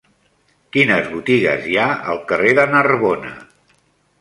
Quines botigues hi ha al carrer de Narbona?